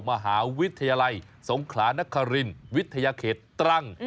มหาวิทยาลัยสงขลานครินวิทยาเขตตรัง